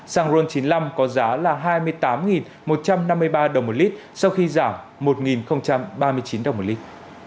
xăng ron chín mươi năm có giá là hai mươi tám một trăm năm mươi ba đồng một lít sau khi giảm một ba mươi chín đồng một lít